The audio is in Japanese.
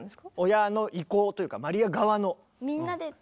親の意向というかマリア側の。